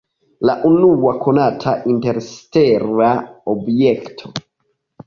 La unua konata interstela objekto!